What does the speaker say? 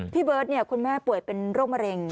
พี่เบิร์ตคุณแม่ป่วยเป็นโรคมะเร็ง